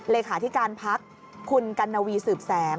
เลขาธิการพักคุณกัณวีสืบแสง